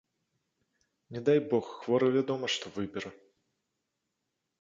Не дай бог, хворы вядома што, выбера.